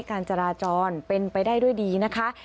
การจราจรเป็นไปได้ด้วยดีนะคะ